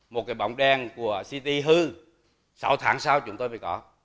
một cái bóng đèn của ct hư sáu tháng sau chúng tôi mới có